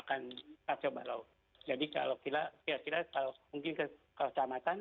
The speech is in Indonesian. jadi kalau kira kira mungkin ke kecamatan